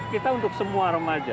kita untuk semua remaja